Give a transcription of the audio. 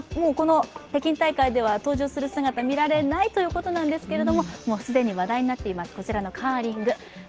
この北京大会では登場する姿は見られないということですが既に話題になっています、こちらのカーリング。